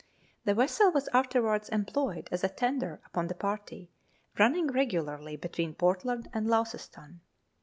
The vessel was afterwards em ployed as a tender upon the party, running regularly between Port land and Launceston.